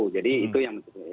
jadi itu yang benar benar penting